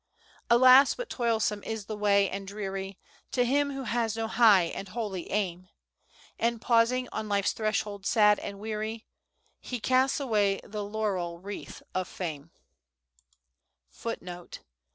Alas! but toilsome is the way, and dreary, To him who has no high and holy aim, And, pausing on Life's threshold, sad and weary, He casts away the laurel wreath of Fame."